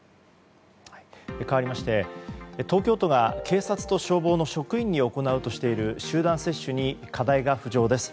かわりまして東京都が警察と消防の職員に行うとしている集団接種に課題です。